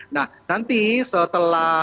nah nanti setelah